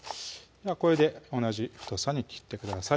これで同じ太さに切ってください